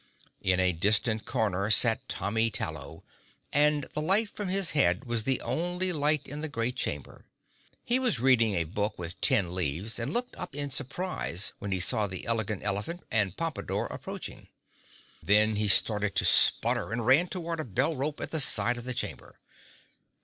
In a distant corner sat Tommy Tallow and the light from his head was the only light in the great chamber. He was reading a book with tin leaves and looked up in surprise when he saw the Elegant Elephant and Pompadore approaching. Then he started to sputter and ran toward a bell rope at the side of the chamber.